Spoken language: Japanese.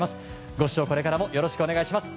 ご視聴、これからもよろしくお願いします。